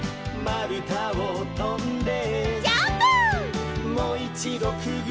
「まるたをとんで」